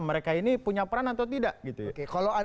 mereka ini punya peran atau tidak gitu ya